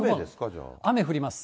雨降ります。